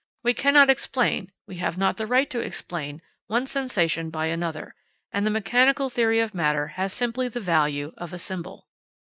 We cannot explain, we have not the right to explain, one sensation by another, and the mechanical theory of matter has simply the value of a symbol.